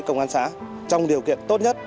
công an xã trong điều kiện tốt nhất